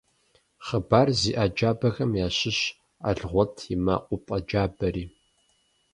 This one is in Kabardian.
Хъыбар зиӏэ джабэхэм ящыщщ «Алгъуэт и мэкъупӏэ джабэри».